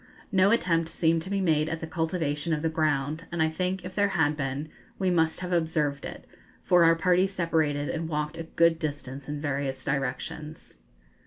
No attempt seemed to be made at the cultivation of the ground; and I think, if there had been, we must have observed it, for our party separated and walked a good distance in various directions.